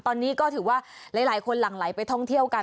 ตอนนี้ก็ถือว่าหลายคนหลั่งไหลไปท่องเที่ยวกัน